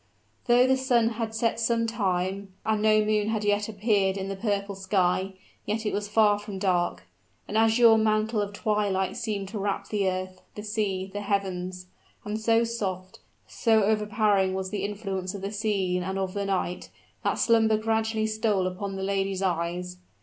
Though the sun had set some time, and no moon had yet appeared in the purple sky, yet was it far from dark. An azure mantle of twilight seemed to wrap the earth the sea the heavens; and so soft, so overpowering was the influence of the scene and of the night, that slumber gradually stole upon the lady's eyes.